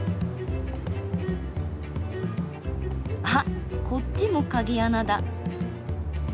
あっこっちも鍵穴だ。